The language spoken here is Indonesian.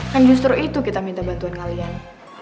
kan justru itu kita minta bantuan kalian